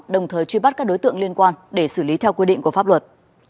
đồng thời truy bắt các đối tượng liên quan để xử lý theo quy định của pháp luật